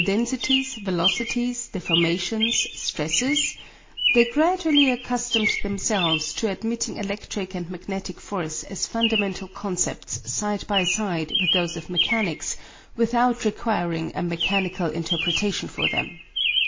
densities, velocities, deformations, stresses) they gradually accustomed themselves to admitting electric and magnetic force as fundamental concepts side by side with those of mechanics, without requiring a mechanical interpretation for them.